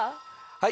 はい。